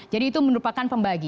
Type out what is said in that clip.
jadi itu merupakan pembagi